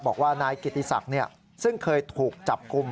บอกว่านายกิติศักดิ์ซึ่งเคยถูกจับกลุ่ม